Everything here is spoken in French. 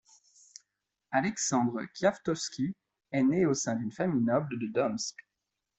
Alexandre Kviatkovski est né au sein d'une famille noble de Tomsk.